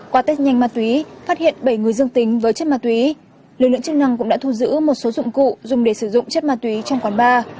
qua tết nhanh ma túy phát hiện bảy người dương tính với chất ma túy lực lượng chức năng cũng đã thu giữ một số dụng cụ dùng để sử dụng chất ma túy trong quán bar